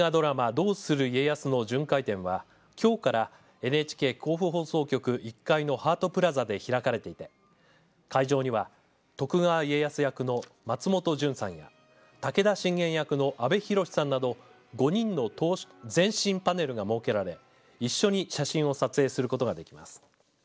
どうする家康の巡回展はきょうからＮＨＫ甲府放送局１階のハートプラザで開かれていて会場には徳川家康役の松本潤さんや武田信玄役の阿部寛さんなど５人の全身パネルが設けられ一緒に写真を撮影することができます。